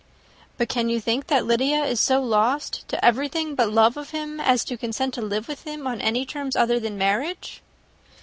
"But can you think that Lydia is so lost to everything but love of him, as to consent to live with him on any other terms than marriage?"